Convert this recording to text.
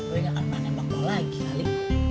gue ga akan pernah nembak lo lagi kali